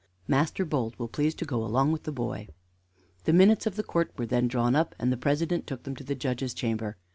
"Master Bold will please to go along with the boy." The minutes of the court were then drawn up, and the President took them to the Judge's chamber.